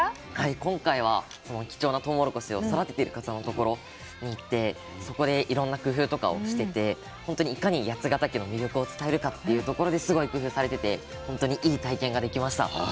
今回はその貴重なとうもろこしを育てている方の所に行ってそこでいろんな工夫とかをしてて本当にいかに八ヶ岳の魅力を伝えるかっていうところですごい工夫されてて本当にいい体験ができました。